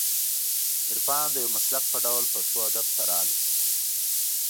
عرفان د یو مسلک په ډول پښتو ادب ته راغلی